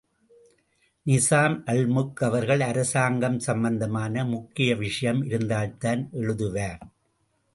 நிசாம் அல்முக் அவர்கள், அரசாங்கம் சம்பந்தமான முக்கிய விஷயம் இருந்தால்தான் எழுதுவார்.